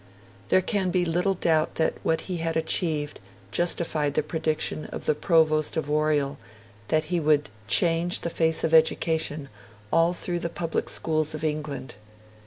There can be little doubt that what he had achieved justified the prediction of the Provost of Oriel that he would 'change the face of education all through the public schools of England'.